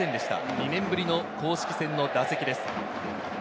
２年ぶりの公式戦の打席です。